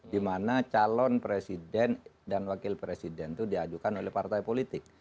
dimana calon presiden dan wakil presiden itu diajukan oleh partai politik